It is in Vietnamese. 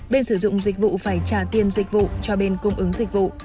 bên sử dụng dịch vụ phải trả tiền dịch vụ cho bên cung ứng dịch vụ